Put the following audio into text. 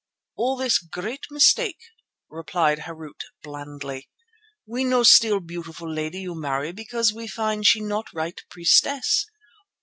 "All this great mistake," replied Harût blandly. "We no steal beautiful lady you marry because we find she not right priestess.